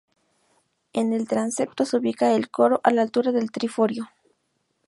En el transepto se ubica el coro a la altura del triforio.